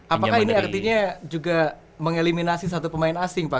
apakah ini artinya juga mengeliminasi satu pemain asing pak